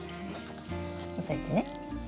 押さえてね？